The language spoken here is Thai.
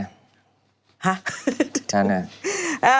ฮะฉันไง